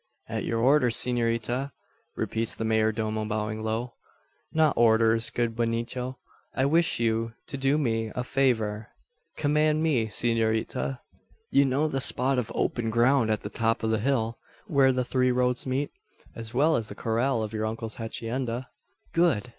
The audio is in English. "At your orders, s'norita?" repeats the mayor domo, bowing low. "Not orders, good Benito. I wish you to do me a favour." "Command me, s'norita!" "You know the spot of open ground at the top of the hill where the three roads meet?" "As well as the corral of your uncle's hacienda." "Good!